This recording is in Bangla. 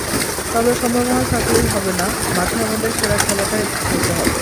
তবে সম্ভাবনা থাকলেই হবে না, মাঠে আমাদের সেরা খেলাটাই খেলতে হবে।